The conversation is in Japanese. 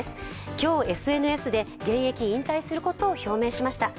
今日ＳＮＳで現役引退することを表明しました。